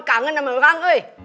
kangen sama lu kan cuy